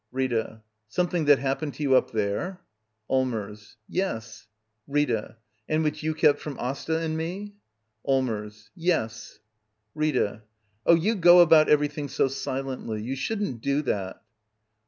Rita. Something that happened to you up there? Allmers. Yes. Rita. And which you kept from Asta and me? Allmers. Yes. ' Rita. Oh, you go about everything so silently, ^ou shouldn't do that.